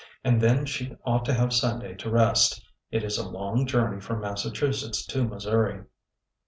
And then she ought to have Sunday to rest. It is a long journey from Massachusetts to Missouri."